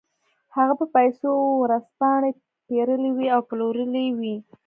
هغه په پیسو ورځپاڼې پېرلې وې او پلورلې وې